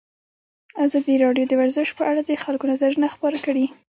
ازادي راډیو د ورزش په اړه د خلکو نظرونه خپاره کړي.